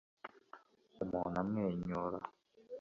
umuntu amwenyura